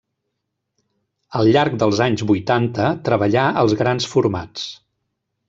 Al llarg dels anys vuitanta treballà els grans formats.